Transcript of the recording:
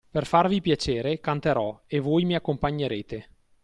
Per farvi piacere, canterò e voi mi accompagnerete.